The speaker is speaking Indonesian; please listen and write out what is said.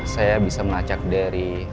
saya bisa melacak dari